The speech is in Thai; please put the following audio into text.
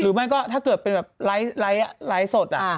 หรือไม่ก็ถ้าเกิดเป็นไลก์สด